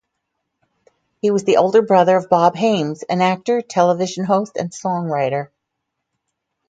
He was the older brother of Bob Haymes, an actor, television host, and songwriter.